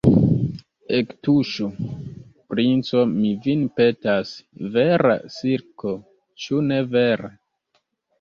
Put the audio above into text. Ektuŝu, princo, mi vin petas, vera silko, ĉu ne vere?